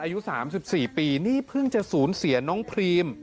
อายุ๓๔ปีนี่เพิ่งจะศูนย์เสียน้องพรีม